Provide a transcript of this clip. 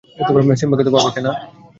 সিম্বাকে তো পাওয়া গেছে, না?